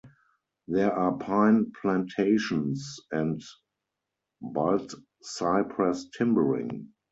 There are pine plantations and baldcypress timbering.